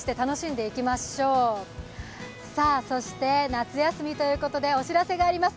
夏休みということでお知らせがあります。